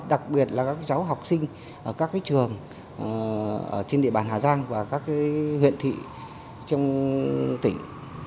đặc biệt là các cháu học sinh ở các trường trên địa bàn hà giang và các huyện thị trong tỉnh